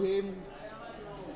saya bambang susatyo menyatakan maju